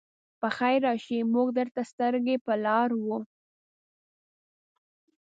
پخير راشئ! موږ درته سترګې په لار وو.